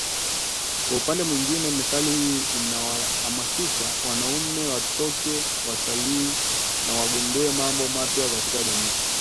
Kwa upande mwingine methali hii iliwahamasisha wanaume watokee, watalii na wagundue mambo mapya katika jamii